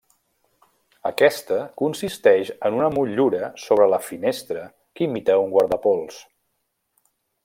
Aquesta consisteix en una motllura sobre la finestra que imita un guardapols.